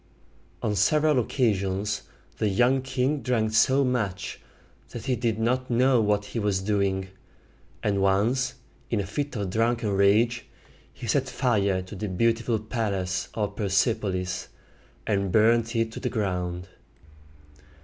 On several occasions the young king drank so much that he did not know what he was doing; and once, in a fit of drunken rage, he set fire to the beautiful palace of Per sep´o lis, and burned it to the ground.